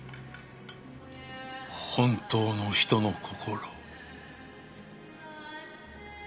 本当の人の心。